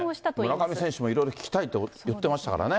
村上選手もいろいろ聞きたいって言ってましたからね。